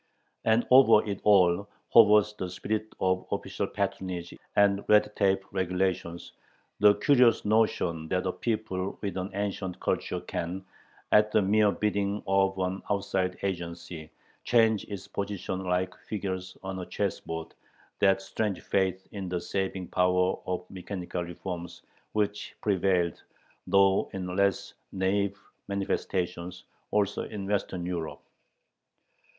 " And over it all hovers the spirit of official patronage and red tape regulations, the curious notion that a people with an ancient culture can, at the mere bidding of an outside agency, change its position like figures on a chess board, that strange faith in the saving power of mechanical reforms which prevailed, though in less naïve manifestations, also in Western Europe.